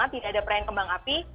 jadi tidak ada perayaan kembang api